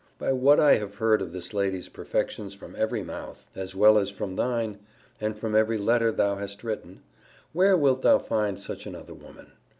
By what I have heard of this lady's perfections from every mouth, as well as from thine, and from every letter thou hast written, where wilt thou find such another woman?